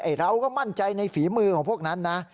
เราก็มั่นใจในฝีมือของพวกนั้นนะ